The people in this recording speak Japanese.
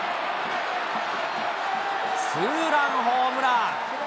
ツーランホームラン。